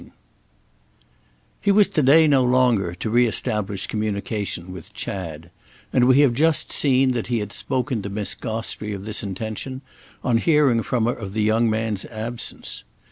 IV He was to delay no longer to re establish communication with Chad, and we have just seen that he had spoken to Miss Gostrey of this intention on hearing from her of the young man's absence.